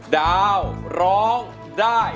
ดาวร้องได้